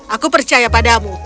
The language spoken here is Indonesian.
aku percaya padamu